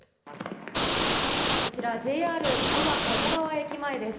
こちらＪＲ安房鴨川駅前です。